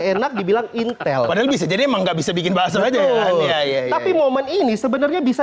enak dibilang intel padahal bisa jadi emang nggak bisa bikin bakso aja ya tapi momen ini sebenarnya bisa